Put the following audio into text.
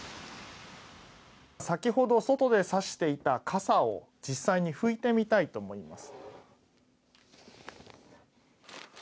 先ほど外でさしていた傘を実際に拭ていみたいと思います。